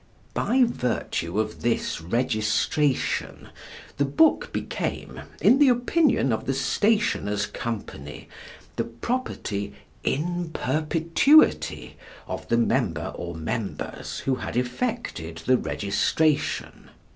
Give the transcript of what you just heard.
By virtue of this registration the book became, in the opinion of the Stationers' Company, the property in perpetuity of the member or members who had effected the registration.